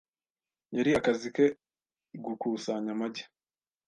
Yari akazi ke gukusanya amagi .